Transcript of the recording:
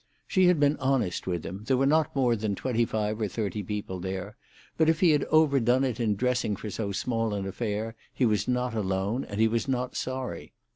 She had been honest with him; there were not more than twenty five or thirty people there; but if he had overdone it in dressing for so small an affair, he was not alone, and he was not sorry.